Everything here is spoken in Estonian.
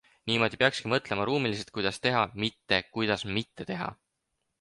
Niimoodi peakski mõtlema, ruumiliselt, kuidas teha, mitte kuidas mitte teha.